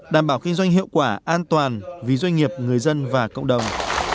đảm bảo kinh doanh hiệu quả an toàn vì doanh nghiệp người dân và cộng đồng